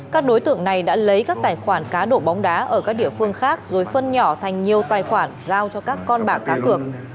các đối tượng này đã lấy các tài khoản cá độ bóng đá ở các địa phương khác rồi phân nhỏ thành nhiều tài khoản giao cho các con bạc cá cược